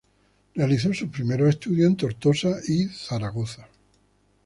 Realizó sus primeros estudios en Tortosa y Zaragoza.